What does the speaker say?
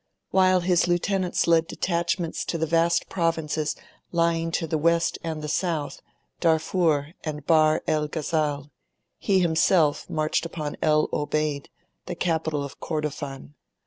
While his lieutenants led detachments into the vast provinces lying to the west and the south Darfur and Bahr el Ghazal he himself marched upon El Obeid, the capital of Kordofan.